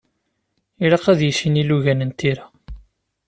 Ilaq ad yissin ilugan n tira.